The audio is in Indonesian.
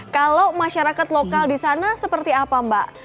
kalau masyarakat lokal di sana seperti apa mbak